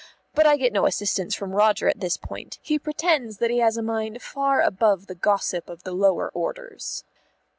But I get no assistance from Roger at this point; he pretends that he has a mind far above the gossip of the lower orders.